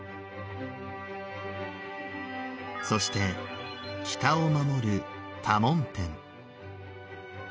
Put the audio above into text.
そして北を守る多聞天。